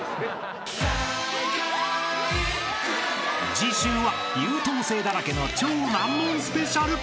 ［次週は優等生だらけの超難問スペシャル］